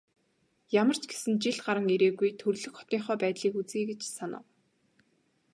Ямар ч гэсэн жил гаран ирээгүй төрөлх хотынхоо байдлыг үзье гэж санав.